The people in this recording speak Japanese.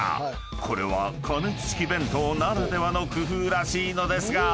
［これは加熱式弁当ならではの工夫らしいのですが］